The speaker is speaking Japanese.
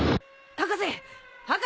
博士！